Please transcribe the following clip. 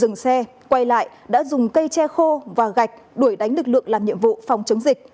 dừng xe quay lại đã dùng cây tre khô và gạch đuổi đánh lực lượng làm nhiệm vụ phòng chống dịch